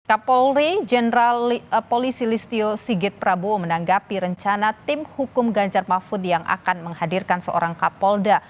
kapolri jenderal polisi listio sigit prabowo menanggapi rencana tim hukum ganjar mahfud yang akan menghadirkan seorang kapolda